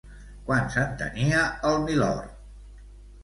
Quants en tenia el Milord?